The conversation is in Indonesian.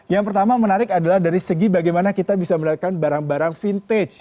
yang pertama menarik adalah dari segi bagaimana kita bisa melihatkan barang barang vintage